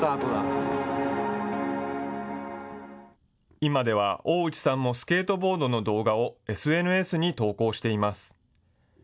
今では、大内さんもスケートボードの動画をＳＮＳに投稿しています。